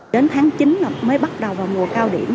đến tháng chín mới bắt đầu vào mùa cao điểm